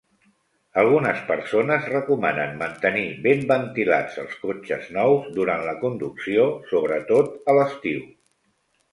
Algunes persones recomanen mantenir ben ventilats els cotxes nous durant la conducció, sobretot a l'estiu.